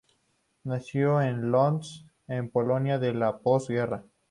Nació en Łódź, en la Polonia de la post-guerra.